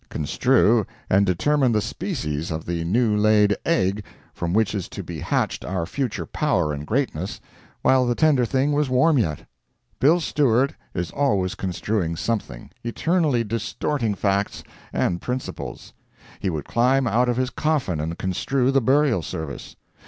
—construe and determine the species of the new laid egg from which is to be hatched our future power and greatness, while the tender thing was warm yet! Bill Stewart is always construing something—eternally distorting facts and principles. He would climb out of his coffin and construe the burial service.